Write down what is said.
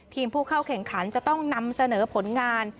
ผู้เข้าแข่งขันจะต้องนำเสนอผลงาน